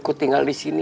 aku tinggal disini